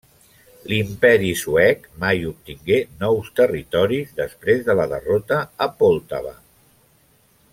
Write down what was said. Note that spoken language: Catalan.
L'Imperi Suec mai obtingué nous territoris després de la derrota a Poltava.